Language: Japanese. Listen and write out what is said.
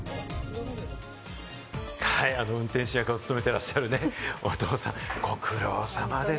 運転手役を務めてらっしゃるお父さん、ご苦労さまです。